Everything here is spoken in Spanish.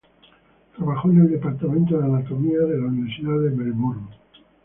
Trabajó en el Departamento de Anatomía de la Universidad de Melbourne.